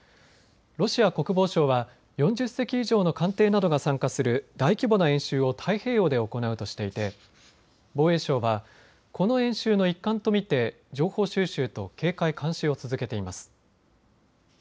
ロシア国防省は４０隻以上の艦艇などが参加する大規模な演習を太平洋で行うとしていて防衛省はこの演習の一環と見て情報収集と警戒・監視を続けています。